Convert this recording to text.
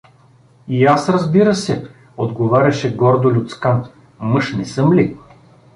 — И аз, разбира се — отговаряше гордо Люцкан. — Мъж не съм ли?